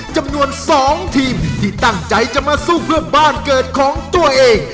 จำนวน๒ทีมที่ตั้งใจจะมาสู้เพื่อบ้านเกิดของตัวเอง